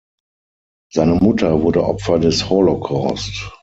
Seine Mutter wurde Opfer des Holocaust.